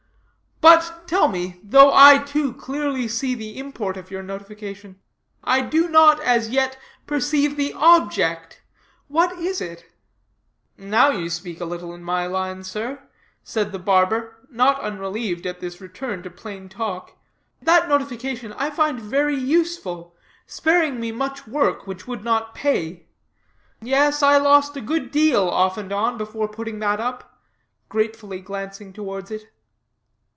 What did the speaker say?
But, tell me, though I, too, clearly see the import of your notification, I do not, as yet, perceive the object. What is it?" "Now you speak a little in my line, sir," said the barber, not unrelieved at this return to plain talk; "that notification I find very useful, sparing me much work which would not pay. Yes, I lost a good deal, off and on, before putting that up," gratefully glancing towards it.